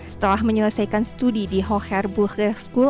setelah menyelesaikan studi di hohher bukhe school